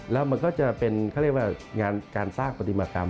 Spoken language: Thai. มันก็จะเป็นเขาเรียกว่างานการปฏิมากรรม